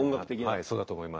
はいそうだと思います。